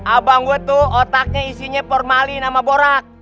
abang gue tuh otaknya isinya formalin sama borak